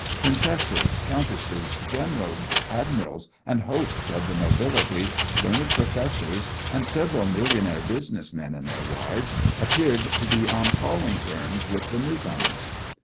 Princesses, countesses, generals, admirals, and hosts of the nobility, learned professors, and several millionaire business men and their wives appeared to be on calling terms with the new comers.